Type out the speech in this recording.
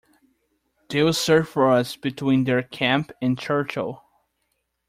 They will search for us between their camp and Churchill.